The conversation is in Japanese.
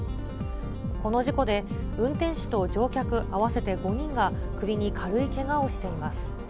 この事故で運転手と乗客合わせて５人が首に軽いけがをしています。